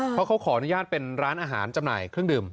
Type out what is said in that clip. เพราะเขาขออนุญาตเป็นร้านอาหารจำหน่ายเครื่องดื่ม